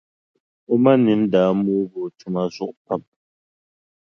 O ma nini daa moogi o tuma zuɣu pam.